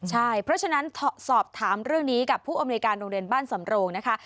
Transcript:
ใช่เพราะฉะนั้นสอบถามเรื่องนี้กับผู้อำนวยการโรงเรียนบ้านสำโรงนะคะ